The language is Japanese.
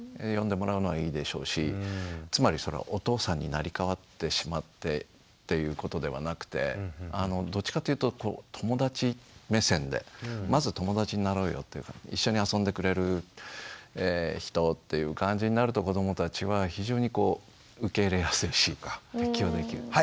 呼んでもらうのはいいでしょうしつまりお父さんに成り代わってしまってということではなくてどっちかというと友達目線でまず友達になろうよっていうか一緒に遊んでくれる人っていう感じになると子どもたちは非常に受け入れやすいし適応できる。